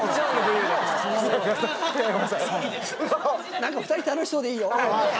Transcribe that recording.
何か２人楽しそうでいいよ。